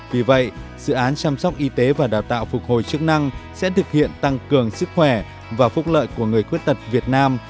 vì vậy dự án chăm sóc y tế và đào tạo phục hồi chức năng sẽ thực hiện tăng cường sức khỏe và phúc lợi của người khuyết tật việt nam